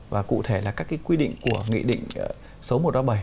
và cụ thể là các quy định của nghị định số một trăm bảy mươi bảy